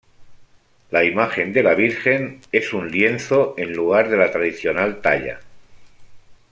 La imagen de la Virgen es un lienzo en lugar de la tradicional talla.